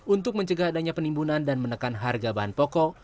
untuk mencegah adanya penimbunan dan menekan harga bahan pokok